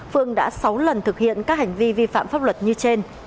phương đã sáu lần thực hiện các hành vi vi phạm pháp luật như trên